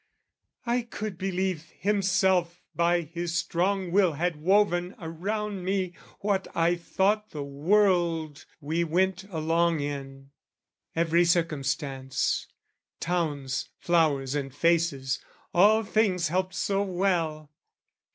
I could believe himself by his strong will Had woven around me what I thought the world We went along in, every circumstance, Towns, flowers and faces, all things helped so well!